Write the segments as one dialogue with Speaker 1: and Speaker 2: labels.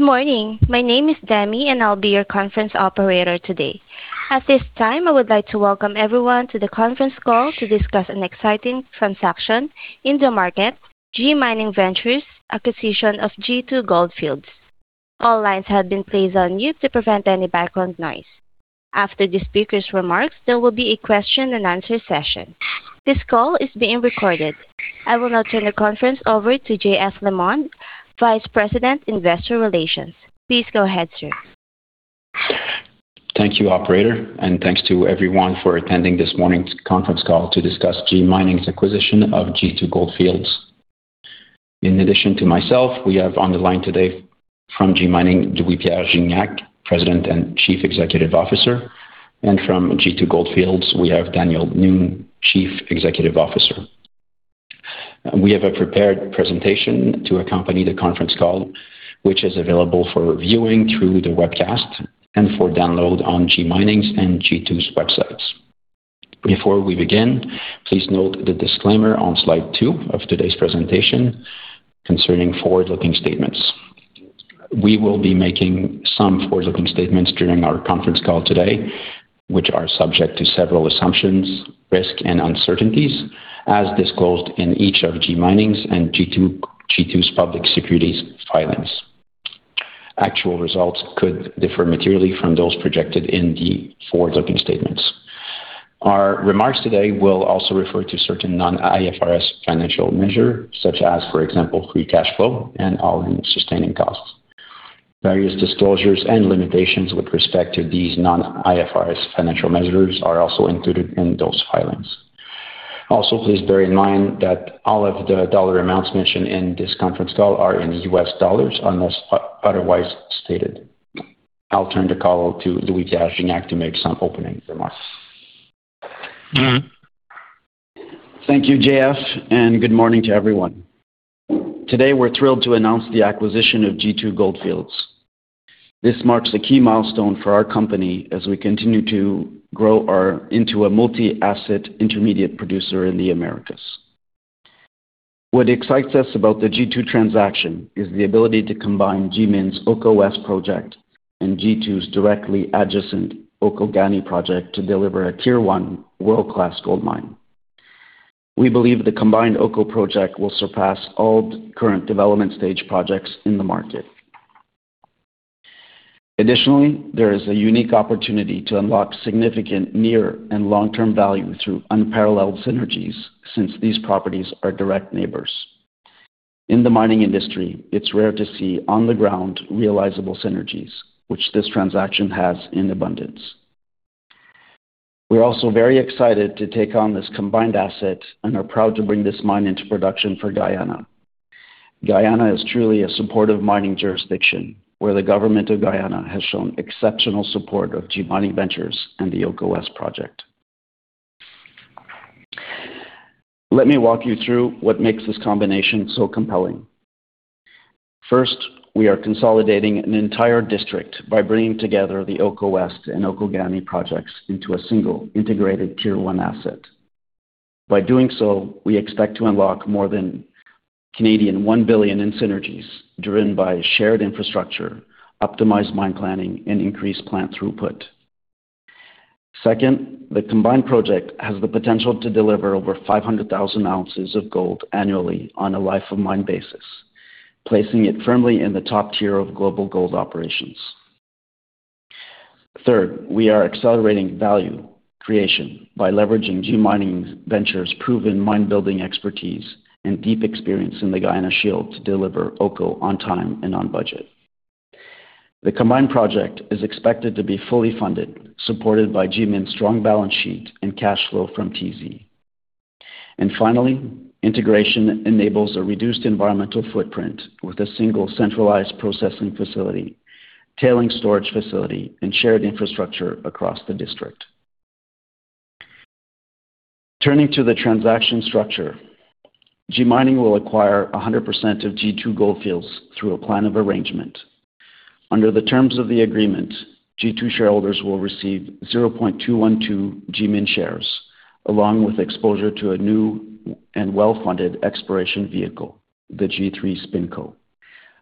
Speaker 1: Good morning. My name is Demi, and I'll be your conference operator today. At this time, I would like to welcome everyone to the conference call to discuss an exciting transaction in the market, G Mining Ventures acquisition of G2 Goldfields. All lines have been placed on mute to prevent any background noise. After the speakers' remarks, there will be a question and answer session. This call is being recorded. I will now turn the conference over to JF Lemonde, Vice President, Investor Relations. Please go ahead, sir.
Speaker 2: Thank you, operator, and thanks to everyone for attending this morning's conference call to discuss G Mining's acquisition of G2 Goldfields. In addition to myself, we have on the line today from G Mining, Louis-Pierre Gignac, President and Chief Executive Officer, and from G2 Goldfields, we have Daniel Noone, Chief Executive Officer. We have a prepared presentation to accompany the conference call, which is available for viewing through the webcast and for download on G Mining's and G2's websites. Before we begin, please note the disclaimer on slide two of today's presentation concerning forward-looking statements. We will be making some forward-looking statements during our conference call today, which are subject to several assumptions, risks, and uncertainties as disclosed in each of G Mining's and G2's public securities filings. Actual results could differ materially from those projected in the forward-looking statements. Our remarks today will also refer to certain non-IFRS financial measures such as, for example, free cash flow and all-in sustaining costs. Various disclosures and limitations with respect to these non-IFRS financial measures are also included in those filings. Also, please bear in mind that all of the dollar amounts mentioned in this conference call are in US dollars, unless otherwise stated. I'll turn the call to Louis-Pierre Gignac to make some opening remarks.
Speaker 3: Thank you, JF, and good morning to everyone. Today, we're thrilled to announce the acquisition of G2 Goldfields. This marks a key milestone for our company as we continue to grow into a multi-asset intermediate producer in the Americas. What excites us about the G2 transaction is the ability to combine GMIN's Oko West project and G2's directly adjacent Oko-Ghanie project to deliver a Tier 1 world-class gold mine. We believe the combined Oko project will surpass all current development stage projects in the market. Additionally, there is a unique opportunity to unlock significant near and long-term value through unparalleled synergies, since these properties are direct neighbors. In the mining industry, it's rare to see on-the-ground realizable synergies, which this transaction has in abundance. We're also very excited to take on this combined asset and are proud to bring this mine into production for Guyana. Guyana is truly a supportive mining jurisdiction, where the government of Guyana has shown exceptional support of G Mining Ventures and the Oko West project. Let me walk you through what makes this combination so compelling. First, we are consolidating an entire district by bringing together the Oko West and Oko-Ghanie projects into a single integrated Tier 1 asset. By doing so, we expect to unlock more than 1 billion in synergies driven by shared infrastructure, optimized mine planning, and increased plant throughput. Second, the combined project has the potential to deliver over 500,000 oz of gold annually on a life of mine basis, placing it firmly in the top tier of global gold operations. Third, we are accelerating value creation by leveraging G Mining Ventures' proven mine building expertise and deep experience in the Guyana Shield to deliver Oko on time and on budget. The combined project is expected to be fully funded, supported by GMIN's strong balance sheet and cash flow from TZ. Finally, integration enables a reduced environmental footprint with a single centralized processing facility, tailing storage facility, and shared infrastructure across the district. Turning to the transaction structure, G Mining will acquire 100% of G2 Goldfields through a plan of arrangement. Under the terms of the agreement, G2 shareholders will receive 0.212 GMIN shares, along with exposure to a new and well-funded exploration vehicle, the G3 SpinCo,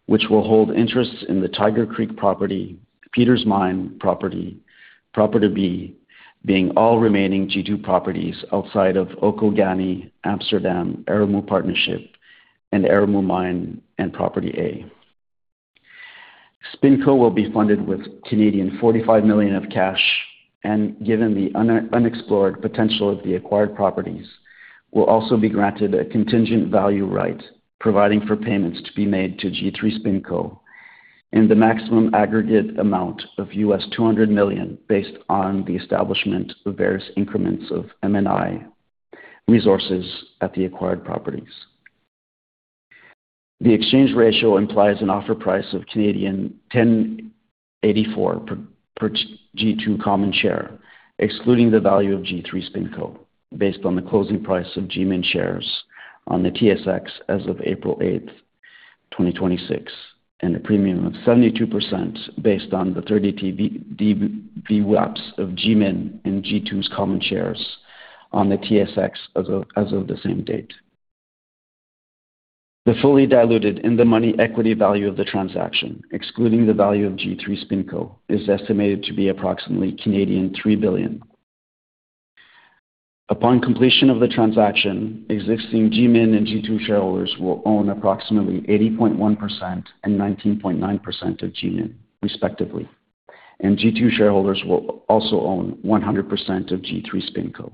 Speaker 3: which will hold interests in the Tiger Creek property, Peters Mine property, Property B, being all remaining G2 properties outside of Oko-Ghanie, Amsterdam, Aremu Partnership, and Aremu Mine and Property A. SpinCo will be funded with 45 million Canadian dollars of cash and, given the unexplored potential of the acquired properties, will also be granted a contingent value right, providing for payments to be made to G3 SpinCo in the maximum aggregate amount of $200 million based on the establishment of various increments of M&I resources at the acquired properties. The exchange ratio implies an offer price of 10.84 per G2 common share, excluding the value of G3 SpinCo, based on the closing price of GMIN shares on the TSX as of April 8th, 2026, and a premium of 72% based on the 30-day VWAPs of GMIN and G2's common shares on the TSX as of the same date. The fully diluted in-the-money equity value of the transaction, excluding the value of G3 SpinCo, is estimated to be approximately 3 billion Canadian dollars. Upon completion of the transaction, existing GMIN and G2 shareholders will own approximately 80.1% and 19.9% of GMIN, respectively. G2 shareholders will also own 100% of G3 SpinCo.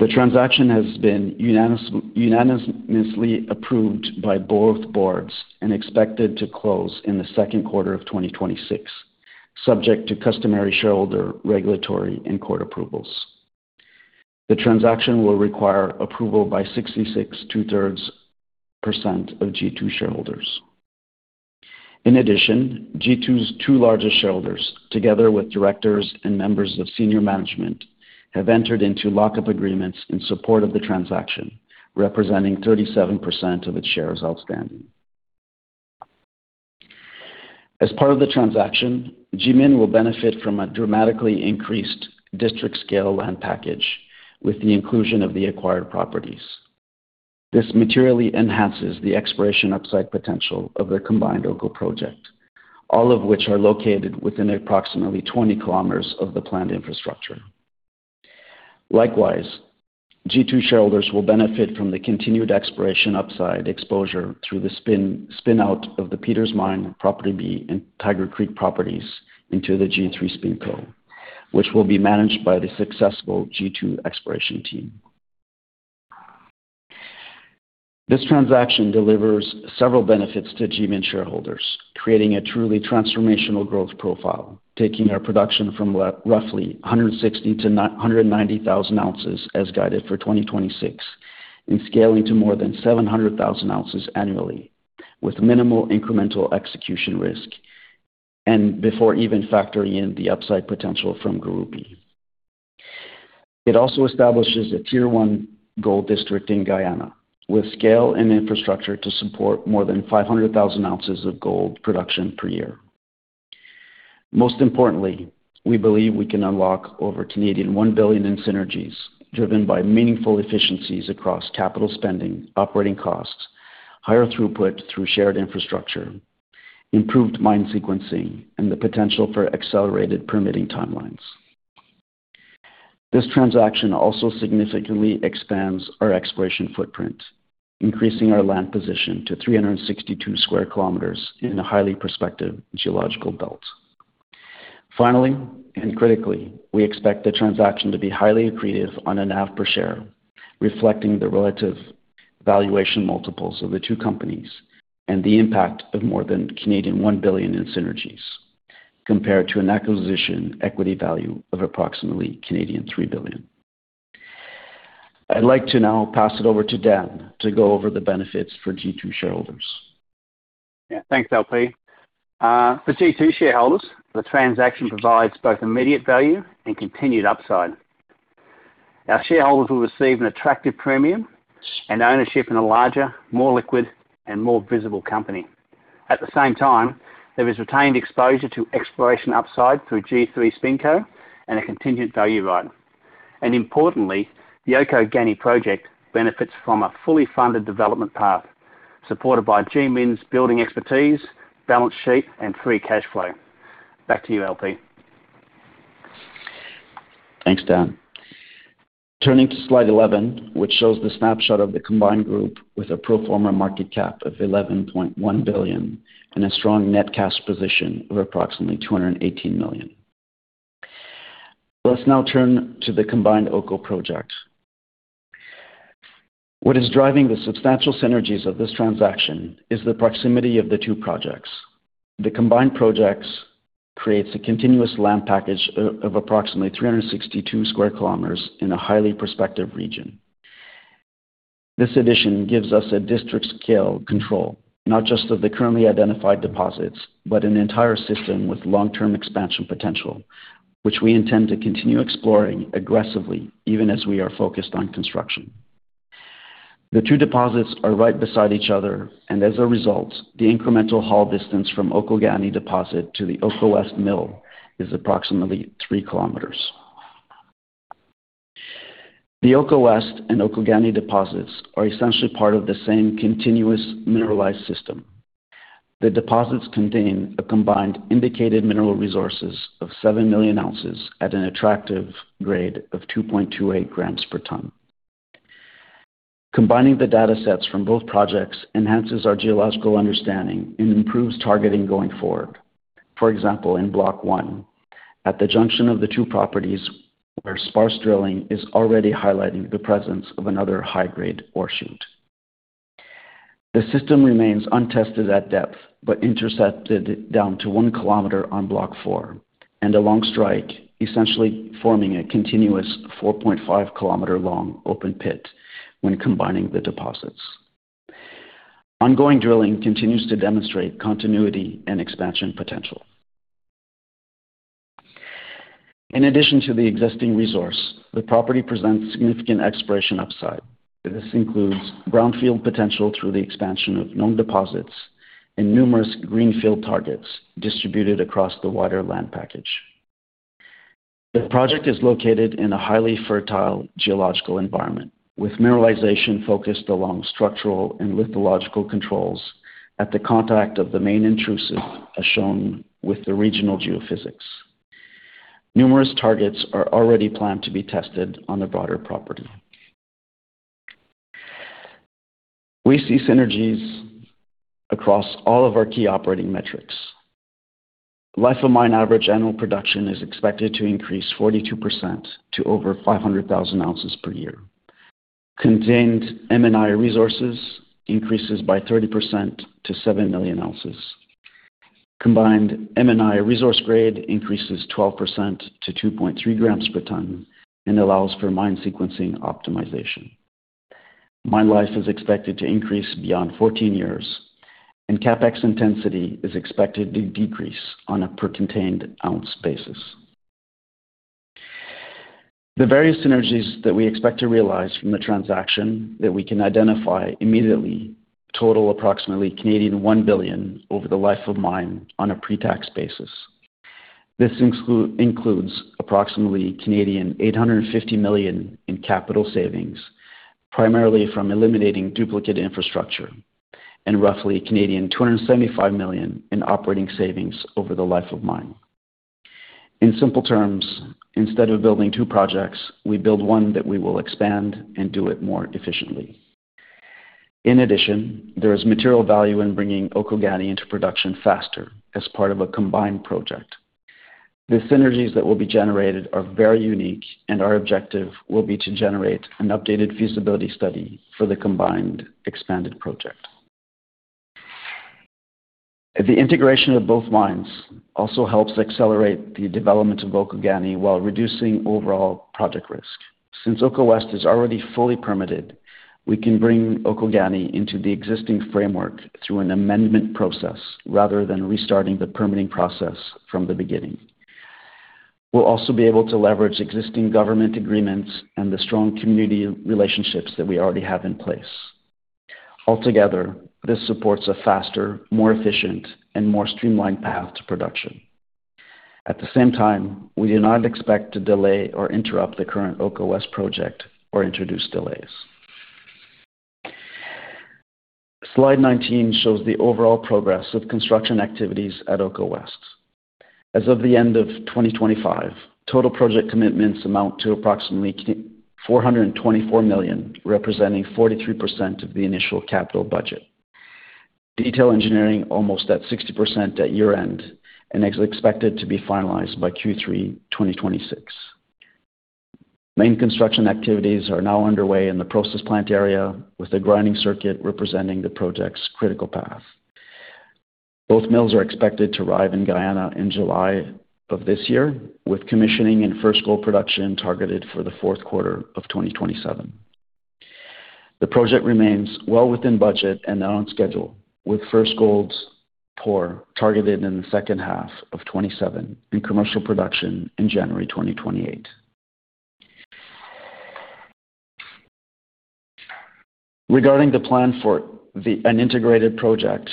Speaker 3: The transaction has been unanimously approved by both boards and expected to close in the second quarter of 2026, subject to customary shareholder regulatory and court approvals. The transaction will require approval by 66 2/3% of G2 shareholders. In addition, G2's two largest shareholders, together with directors and members of senior management, have entered into lock-up agreements in support of the transaction, representing 37% of its shares outstanding. As part of the transaction, GMIN will benefit from a dramatically increased district scale land package with the inclusion of the acquired properties. This materially enhances the exploration upside potential of the combined Oko project, all of which are located within approximately 20 km of the planned infrastructure. Likewise, G2 shareholders will benefit from the continued exploration upside exposure through the spin out of the Peters Mine, Property B, and Tiger Creek properties into the G3 SpinCo, which will be managed by the successful G2 exploration team. This transaction delivers several benefits to GMIN shareholders, creating a truly transformational growth profile, taking our production from roughly 160,000 oz-190,000 oz as guided for 2026, and scaling to more than 700,000 oz annually, with minimal incremental execution risk, and before even factoring in the upside potential from Gurupi. It also establishes a Tier-1 gold district in Guyana with scale and infrastructure to support more than 500,000 oz of gold production per year. Most importantly, we believe we can unlock over 1 billion Canadian dollars in synergies driven by meaningful efficiencies across capital spending, operating costs, higher throughput through shared infrastructure, improved mine sequencing, and the potential for accelerated permitting timelines. This transaction also significantly expands our exploration footprint, increasing our land position to 362 sq km in a highly prospective geological belt. Finally, and critically, we expect the transaction to be highly accretive on a NAV per share, reflecting the relative valuation multiples of the two companies and the impact of more than 1 billion Canadian dollars in synergies compared to an acquisition equity value of approximately 3 billion Canadian dollars. I'd like to now pass it over to Dan to go over the benefits for G2 shareholders.
Speaker 4: Yeah. Thanks, LP. For G2 shareholders, the transaction provides both immediate value and continued upside. Our shareholders will receive an attractive premium and ownership in a larger, more liquid, and more visible company. At the same time, there is retained exposure to exploration upside through G3 SpinCo and a contingent value right. Importantly, the Oko-Ghanie project benefits from a fully funded development path supported by GMIN's building expertise, balance sheet, and free cash flow. Back to you, LP.
Speaker 3: Thanks, Dan. Turning to slide 11, which shows the snapshot of the combined group with a pro forma market cap of $11.1 billion and a strong net cash position of approximately $218 million. Let's now turn to the combined Oko project. What is driving the substantial synergies of this transaction is the proximity of the two projects. The combined projects creates a continuous land package of approximately 362 sq km in a highly prospective region. This addition gives us a district scale control, not just of the currently identified deposits, but an entire system with long-term expansion potential, which we intend to continue exploring aggressively, even as we are focused on construction. The two deposits are right beside each other, and as a result, the incremental haul distance from Oko-Ghanie deposit to the Oko West Mill is approximately 3 km. The Oko West and Oko-Ghanie deposits are essentially part of the same continuous mineralized system. The deposits contain a combined indicated mineral resources of 7 million oz at an attractive grade of 2.28 g per ton. Combining the datasets from both projects enhances our geological understanding and improves targeting going forward. For example, in Block 1, at the junction of the two properties where sparse drilling is already highlighting the presence of another high-grade ore shoot. The system remains untested at depth, but intersected down to 1 km on Block 4 and along strike, essentially forming a continuous 4.5-km-long open pit when combining the deposits. Ongoing drilling continues to demonstrate continuity and expansion potential. In addition to the existing resource, the property presents significant exploration upside. This includes brownfield potential through the expansion of known deposits and numerous greenfield targets distributed across the wider land package. The project is located in a highly fertile geological environment, with mineralization focused along structural and lithological controls at the contact of the main intrusive, as shown with the regional geophysics. Numerous targets are already planned to be tested on the broader property. We see synergies across all of our key operating metrics. Life of mine average annual production is expected to increase 42% to over 500,000 oz per year. Contained M&I resources increases by 30% to 7 million oz. Combined M&I resource grade increases 12% to 2.3 g per ton and allows for mine sequencing optimization. Mine life is expected to increase beyond 14 years, and CapEx intensity is expected to decrease on a per contained ounce basis. The various synergies that we expect to realize from the transaction that we can identify immediately total approximately 1 billion over the life of mine on a pre-tax basis. This includes approximately 850 million in capital savings, primarily from eliminating duplicate infrastructure, and roughly 275 million Canadian dollars in operating savings over the life of mine. In simple terms, instead of building two projects, we build one that we will expand and do it more efficiently. In addition, there is material value in bringing Oko West into production faster as part of a combined project. The synergies that will be generated are very unique, and our objective will be to generate an updated Feasibility Study for the combined expanded project. The integration of both mines also helps accelerate the development of Oko-Ghanie while reducing overall project risk. Since Oko West is already fully permitted, we can bring Oko-Ghanie into the existing framework through an amendment process rather than restarting the permitting process from the beginning. We'll also be able to leverage existing government agreements and the strong community relationships that we already have in place. Altogether, this supports a faster, more efficient, and more streamlined path to production. At the same time, we do not expect to delay or interrupt the current Oko West project or introduce delays. Slide 19 shows the overall progress of construction activities at Oko West. As of the end of 2025, total project commitments amount to approximately $424 million, representing 43% of the initial capital budget. Detail engineering almost at 60% at year-end and is expected to be finalized by Q3 2026. Main construction activities are now underway in the process plant area, with the grinding circuit representing the project's critical path. Both mills are expected to arrive in Guyana in July of this year, with commissioning and first gold production targeted for the fourth quarter of 2027. The project remains well within budget and on schedule, with first gold pour targeted in the second half of 2027 and commercial production in January 2028. Regarding the plan for an integrated project,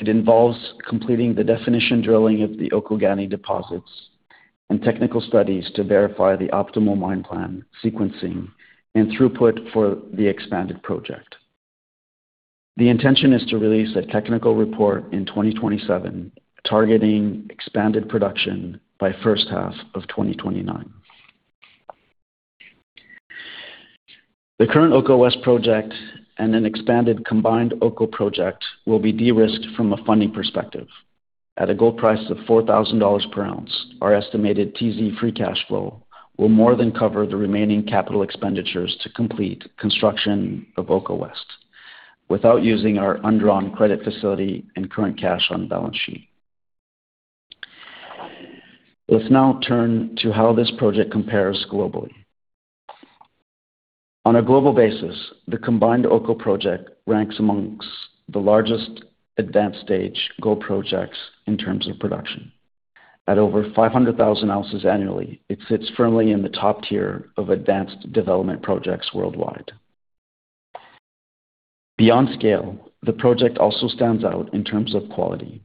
Speaker 3: it involves completing the definition drilling of the Oko-Ghanie deposits and technical studies to verify the optimal mine plan, sequencing, and throughput for the expanded project. The intention is to release a technical report in 2027, targeting expanded production by the first half of 2029. The current Oko West project and an expanded combined Oko project will be de-risked from a funding perspective. At a gold price of $4,000 per oz, our estimated TZ free cash flow will more than cover the remaining capital expenditures to complete construction of Oko West without using our undrawn credit facility and current cash on the balance sheet. Let's now turn to how this project compares globally. On a global basis, the combined Oko project ranks among the largest advanced stage gold projects in terms of production. At over 500,000 oz annually, it sits firmly in the top tier of advanced development projects worldwide. Beyond scale, the project also stands out in terms of quality.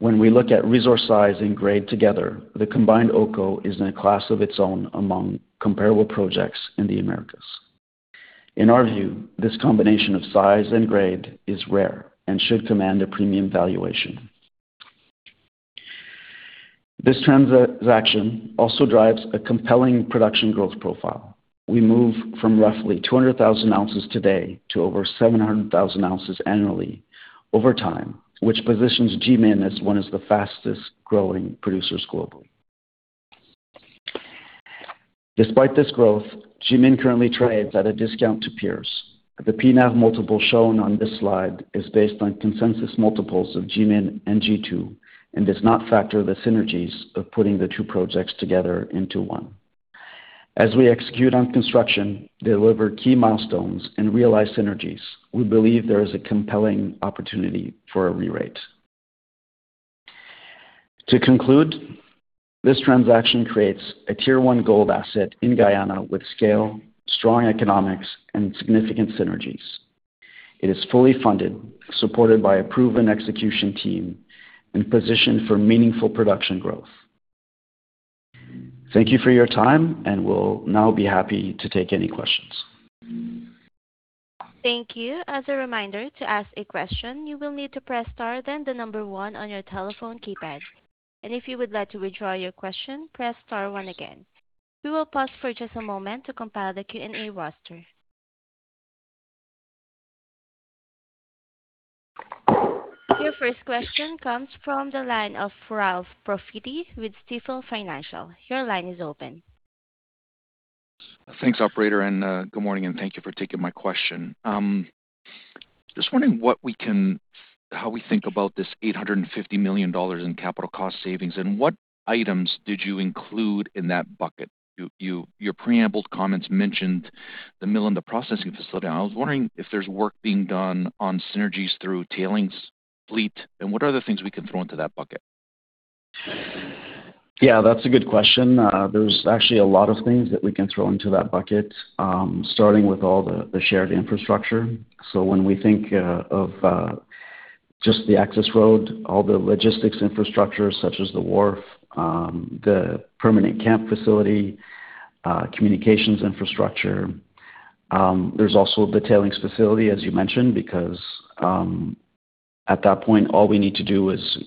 Speaker 3: When we look at resource size and grade together, the combined Oko is in a class of its own among comparable projects in the Americas. In our view, this combination of size and grade is rare and should command a premium valuation. This transaction also drives a compelling production growth profile. We move from roughly 200,000 oz today to over 700,000 oz annually over time, which positions GMIN as one of the fastest-growing producers globally. Despite this growth, GMIN currently trades at a discount to peers. The P/NAV multiple shown on this slide is based on consensus multiples of GMIN and G2 and does not factor the synergies of putting the two projects together into one. As we execute on construction, deliver key milestones, and realize synergies, we believe there is a compelling opportunity for a re-rate. To conclude, this transaction creates a Tier-1 gold asset in Guyana with scale, strong economics, and significant synergies. It is fully funded, supported by a proven execution team, and positioned for meaningful production growth. Thank you for your time, and we'll now be happy to take any questions.
Speaker 1: Thank you. As a reminder, to ask a question, you will need to press star then one on your telephone keypad. If you would like to withdraw your question, press star one again. We will pause for just a moment to compile the Q&A roster. Your first question comes from the line of Ralph Profiti with Stifel Financial. Your line is open.
Speaker 5: Thanks, operator, and good morning, and thank you for taking my question. Just wondering how we think about this $850 million in capital cost savings, and what items did you include in that bucket? Your preliminary comments mentioned the mill and the processing facility, and I was wondering if there's work being done on synergies through tailings fleet and what other things we can throw into that bucket.
Speaker 3: Yeah, that's a good question. There's actually a lot of things that we can throw into that bucket, starting with all the shared infrastructure. When we think of just the access road, all the logistics infrastructure such as the wharf, the permanent camp facility, communications infrastructure. There's also the tailings facility, as you mentioned, because at that point, all we need to do is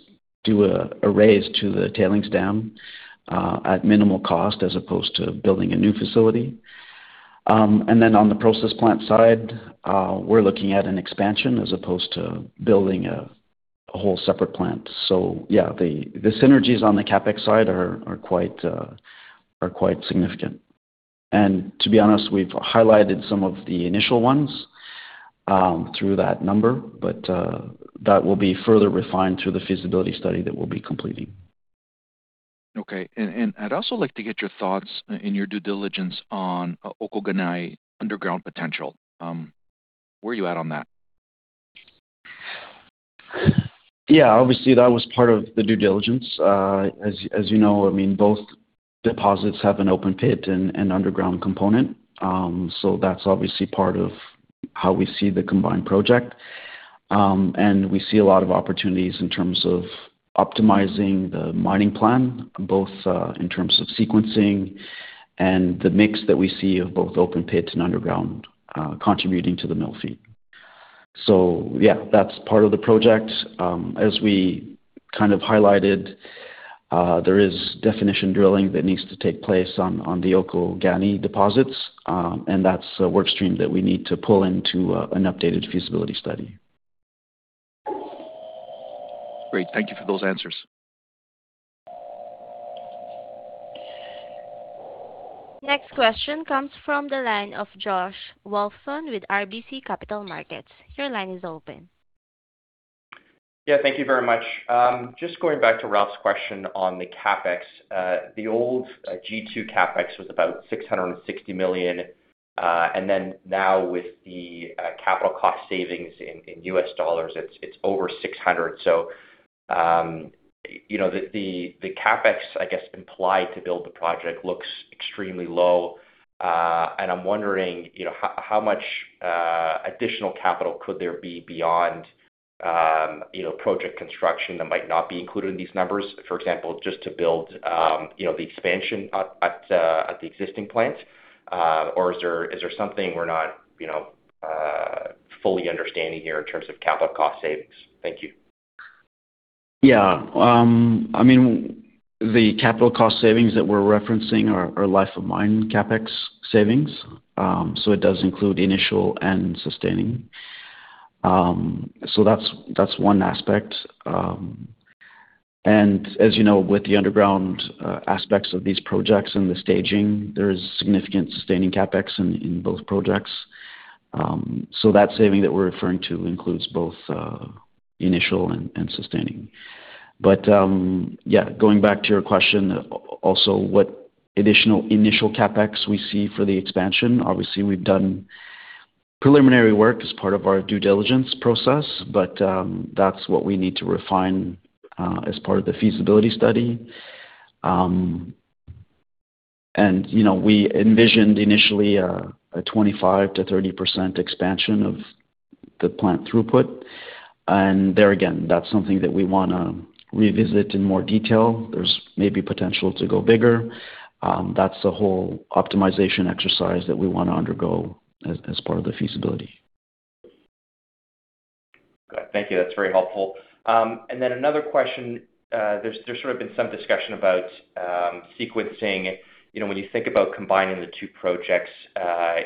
Speaker 3: do a raise to the tailings dam at minimal cost as opposed to building a new facility. Then on the process plant side, we're looking at an expansion as opposed to building a whole separate plant. Yeah, the synergies on the CapEx side are quite significant. To be honest, we've highlighted some of the initial ones through that number, but that will be further refined through the feasibility study that we'll be completing.
Speaker 5: Okay. I'd also like to get your thoughts on your due diligence on Oko-Ghanie underground potential. Where are you at on that?
Speaker 3: Yeah, obviously that was part of the due diligence. As you know, both deposits have an open pit and underground component. That's obviously part of how we see the combined project. We see a lot of opportunities in terms of optimizing the mining plan, both in terms of sequencing and the mix that we see of both open pit and underground contributing to the mill feed. Yeah, that's part of the project. As we highlighted, there is definition drilling that needs to take place on the Oko-Ghanie deposits, and that's a work stream that we need to pull into an updated feasibility study.
Speaker 5: Great. Thank you for those answers.
Speaker 1: Next question comes from the line of Josh Wolfson with RBC Capital Markets. Your line is open.
Speaker 6: Yeah, thank you very much. Just going back to Ralph's question on the CapEx. The old G2 CapEx was about $660 million. Then now with the capital cost savings in US dollars, it's over $600 million. The CapEx, I guess, implied to build the project looks extremely low. I'm wondering, how much additional capital could there be beyond project construction that might not be included in these numbers? For example, just to build the expansion at the existing plant. Or is there something we're not fully understanding here in terms of capital cost savings? Thank you.
Speaker 3: Yeah. The capital cost savings that we're referencing are life of mine CapEx savings. It does include initial and sustaining. That's one aspect. As you know, with the underground aspects of these projects and the staging, there is significant sustaining CapEx in both projects. That saving that we're referring to includes both initial and sustaining. Yeah, going back to your question, also, what additional initial CapEx we see for the expansion? Obviously, we've done preliminary work as part of our due diligence process, but that's what we need to refine as part of the feasibility study. We envisioned initially a 25%-30% expansion of the plant throughput. There again, that's something that we want to revisit in more detail. There's maybe potential to go bigger. That's the whole optimization exercise that we want to undergo as part of the feasibility.
Speaker 6: Good. Thank you. That's very helpful. Then another question. There's sort of been some discussion about sequencing. When you think about combining the two projects,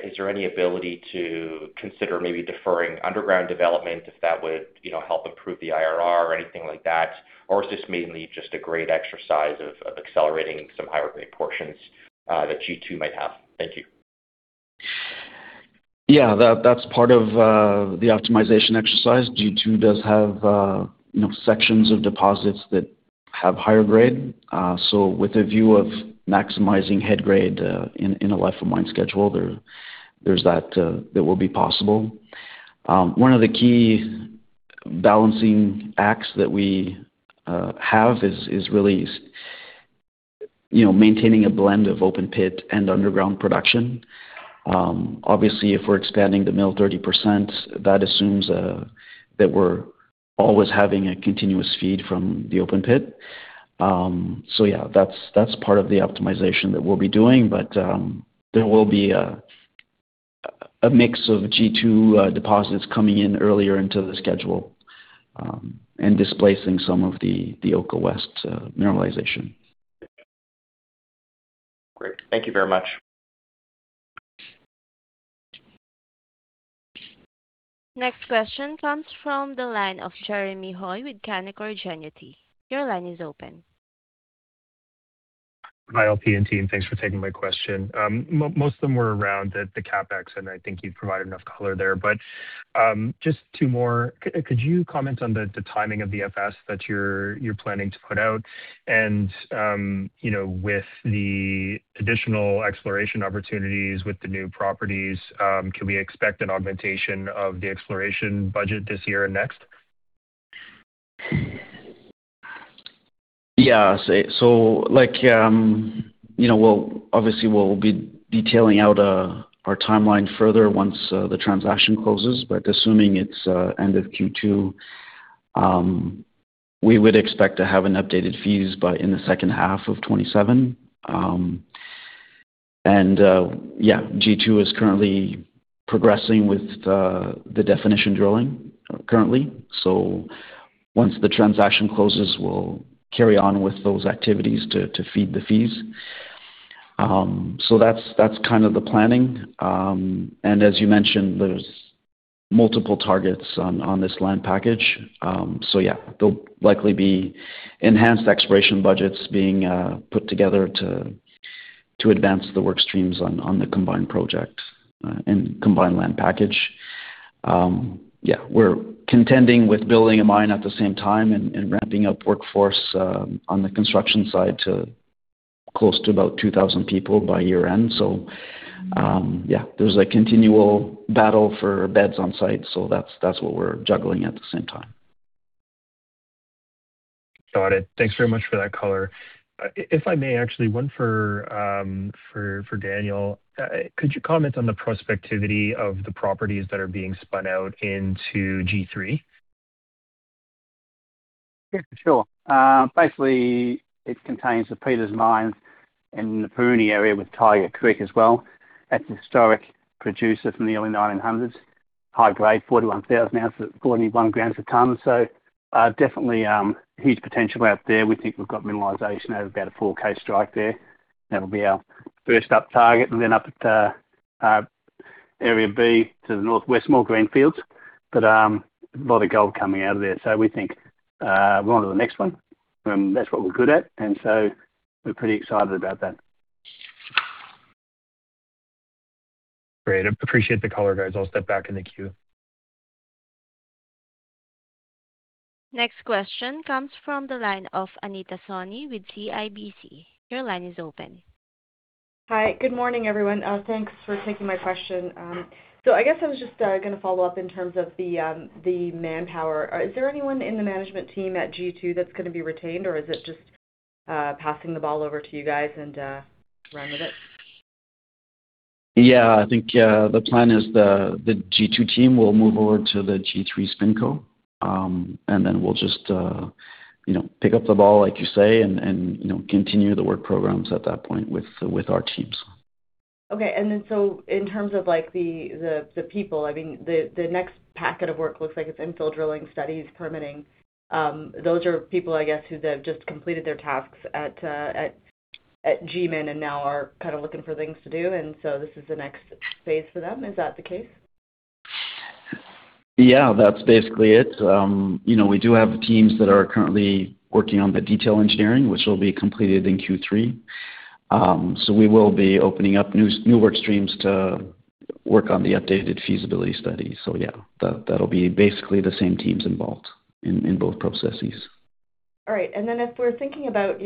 Speaker 6: is there any ability to consider maybe deferring underground development if that would help improve the IRR or anything like that? Or is this mainly just a great exercise of accelerating some higher grade portions that G2 might have? Thank you.
Speaker 3: Yeah, that's part of the optimization exercise. G2 does have sections of deposits that have higher grade. With a view of maximizing head grade in a life of mine schedule, there's that that will be possible. One of the key balancing acts that we have is really maintaining a blend of open pit and underground production. Obviously, if we're expanding the mill 30%, that assumes that we're always having a continuous feed from the open pit. Yeah, that's part of the optimization that we'll be doing, but there will be a mix of G2 deposits coming in earlier into the schedule, and displacing some of the Oko West mineralization.
Speaker 6: Great. Thank you very much.
Speaker 1: Next question comes from the line of Jeremy Hoy with Canaccord Genuity. Your line is open.
Speaker 7: Hi, LP and team. Thanks for taking my question. Most of them were around the CapEx, and I think you've provided enough color there. Just two more. Could you comment on the timing of the FS that you're planning to put out? And with the additional exploration opportunities with the new properties, can we expect an augmentation of the exploration budget this year and next?
Speaker 3: Yeah. Obviously, we'll be detailing out our timeline further once the transaction closes. Assuming it's end of Q2, we would expect to have an updated views by in the second half of 2027. Yeah, G2 is currently progressing with the definition drilling currently. Once the transaction closes, we'll carry on with those activities to feed the views. That's the planning. As you mentioned, there's multiple targets on this land package. Yeah, they'll likely be enhanced exploration budgets being put together to advance the work streams on the combined project and combined land package. Yeah, we're contending with building a mine at the same time and ramping up workforce, on the construction side to close to about 2,000 people by year-end. Yeah, there's a continual battle for beds on site. That's what we're juggling at the same time.
Speaker 7: Got it. Thanks very much for that color. If I may, actually one for Daniel. Could you comment on the prospectivity of the properties that are being spun out into G3?
Speaker 4: Yeah, for sure. Basically, it contains the Peters Mine in the Puruni area with Tiger Creek as well. That's a historic producer from the early 1900s, high grade, 41,000 oz at 41 g a ton. Definitely huge potential out there. We think we've got mineralization over about a 4K strike there. That'll be our first up target. Up at Area B to the northwest, more greenfields, but a lot of gold coming out of there. We think we're on to the next one. That's what we're good at, and we're pretty excited about that.
Speaker 7: Great. Appreciate the color, guys. I'll step back in the queue.
Speaker 1: Next question comes from the line of Anita Soni with CIBC. Your line is open.
Speaker 8: Hi. Good morning, everyone. Thanks for taking my question. I guess I was just going to follow up in terms of the manpower. Is there anyone in the management team at G2 that's going to be retained, or is it just passing the ball over to you guys and run with it?
Speaker 3: Yeah, I think the plan is the G2 team will move over to the G3 SpinCo. We'll just pick up the ball, like you say, and continue the work programs at that point with our teams.
Speaker 8: Okay. In terms of the people, I mean, the next packet of work looks like it's infill drilling studies permitting. Those are people, I guess, who have just completed their tasks at GMIN and now are kind of looking for things to do, and so this is the next phase for them. Is that the case?
Speaker 3: Yeah, that's basically it. We do have teams that are currently working on the detail engineering, which will be completed in Q3. We will be opening up new work streams to work on the updated Feasibility Study. Yeah, that'll be basically the same teams involved in both processes.
Speaker 8: All right. If we're thinking about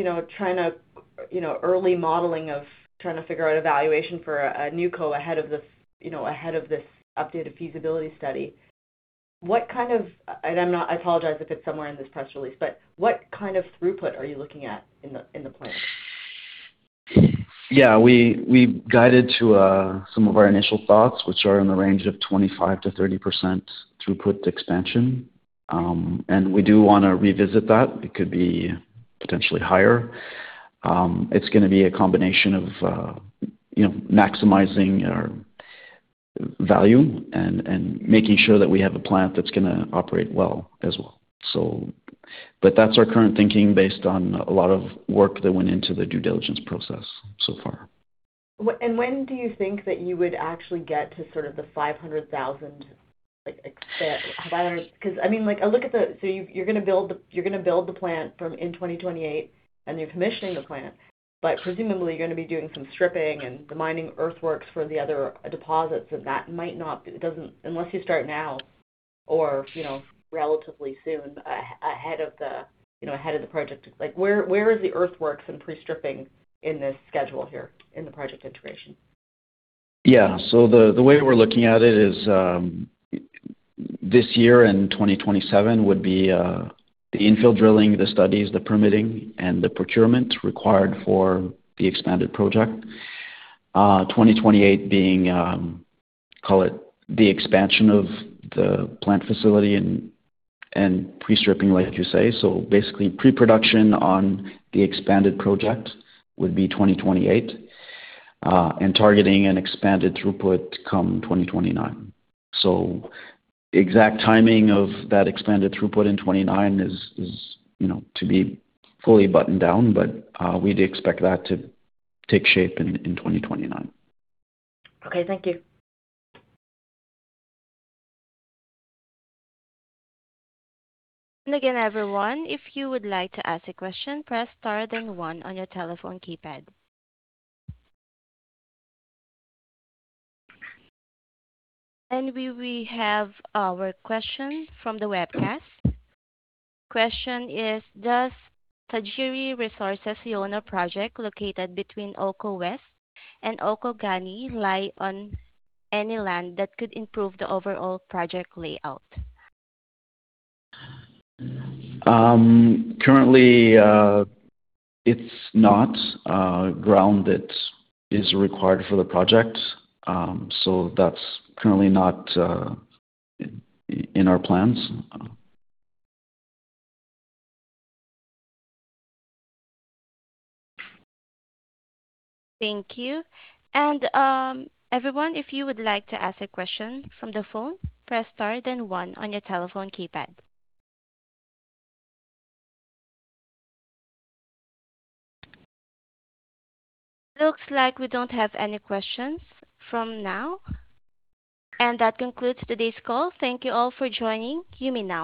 Speaker 8: early modeling of trying to figure out a valuation for a new co ahead of this updated feasibility study, I apologize if it's somewhere in this press release, but what kind of throughput are you looking at in the plan?
Speaker 3: Yeah, we guided to some of our initial thoughts, which are in the range of 25%-30% throughput expansion. We do want to revisit that. It could be potentially higher. It's going to be a combination of maximizing our value and making sure that we have a plant that's going to operate well as well. That's our current thinking based on a lot of work that went into the due diligence process so far.
Speaker 8: When do you think that you would actually get to sort of the 500,000, like, expand? Because, I mean, so you're going to build the plant from in 2028, and you're commissioning the plant. Presumably, you're going to be doing some stripping and the mining earthworks for the other deposits. That might not be unless you start now or relatively soon ahead of the project. Where is the earthworks and pre-stripping in this schedule here in the project integration?
Speaker 3: Yeah. The way we're looking at it is this year and 2027 would be the infill drilling, the studies, the permitting, and the procurement required for the expanded project. 2028 being, call it the expansion of the plant facility and pre-stripping, like you say. Basically, pre-production on the expanded project would be 2028, and targeting an expanded throughput come 2029. The exact timing of that expanded throughput in 2029 is to be fully buttoned down. We'd expect that to take shape in 2029.
Speaker 8: Okay, thank you.
Speaker 1: We have our question from the webcast. Question is, does Tajiri Resources Yono project, located between Oko West and Oko-Ghanie, lie on any land that could improve the overall project layout?
Speaker 3: Currently, it's not ground that is required for the project. That's currently not in our plans.
Speaker 1: Thank you. Everyone, if you would like to ask a question from the phone, press star then one on your telephone keypad. Looks like we don't have any questions for now. That concludes today's call. Thank you all for joining. You may now disconnect.